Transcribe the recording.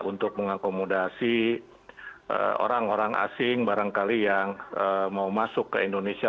untuk mengakomodasi orang orang asing barangkali yang mau masuk ke indonesia